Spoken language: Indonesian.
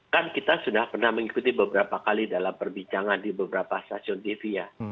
kan kita sudah pernah mengikuti beberapa kali dalam perbincangan di beberapa stasiun tv ya